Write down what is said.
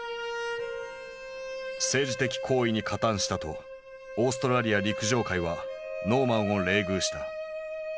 政治的行為に加担したとオーストラリア陸上界はノーマンを冷遇した。